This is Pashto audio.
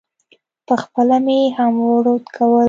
پخپله مې هم ورد کول.